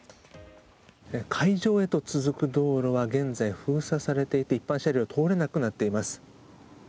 会場へと続く道路は現在、封鎖されていて一般車両が通れなくなっています。